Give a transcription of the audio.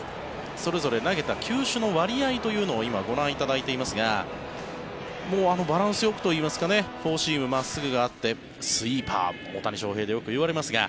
それぞれ投げた球種の割合というのを今、ご覧いただいていますがもう、バランスよくといいますかフォーシーム、真っすぐがあってスイーパー大谷翔平でよく言われますが。